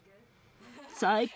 最高！